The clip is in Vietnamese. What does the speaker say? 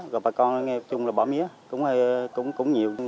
rồi bà con nghe nói chung là bỏ mía cũng nhiều